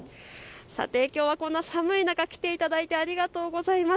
きょうは寒い中、来ていただいてありがとうございます。